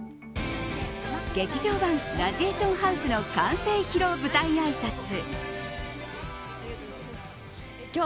「劇場版ラジエーションハウス」の完成披露舞台あいさつ。